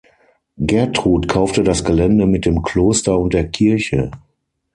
Gertrud kaufte das Gelände mit dem Kloster und der Kirche.